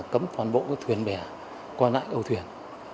cấm toàn bộ các thuyền bẻ qua lại âu thuyền